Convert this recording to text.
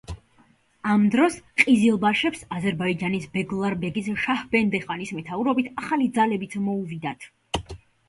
ამ დროს ყიზილბაშებს აზერბაიჯანის ბეგლარბეგის შაჰ-ბენდე-ხანის მეთაურობით ახალი ძალებიც მოუვიდათ.